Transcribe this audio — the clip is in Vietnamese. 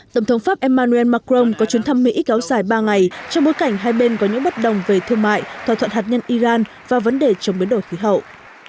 tổng thống pháp emmanuel macron có chuyến thăm mỹ kéo dài ba ngày trong bối cảnh hai bên có những bất đồng về thương mại thỏa thuận hạt nhân iran và vấn đề chống biến đổi khí hậu